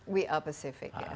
we are pasifik ya